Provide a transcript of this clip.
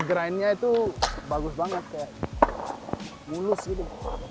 grindnya itu bagus banget kayak mulus gitu